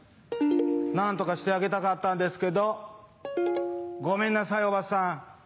何とかしてあげたかったんですけどごめんなさいおばさん。